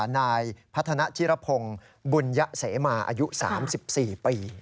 นายพัฒนาจิรพงศ์บุญยะเสมาอายุ๓๔ปี